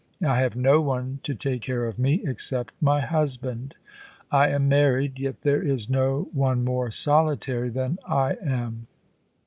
I have no one to take care of me — except my husband. I am married, yet there is no one more solitary than I am.